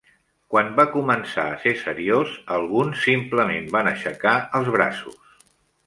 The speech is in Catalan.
Quan va començar a ser seriós, alguns simplement van aixecar els braços.